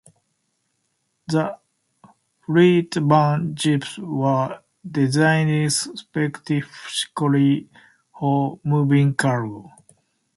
The Fleetvan Jeeps were designed specifically for moving cargo.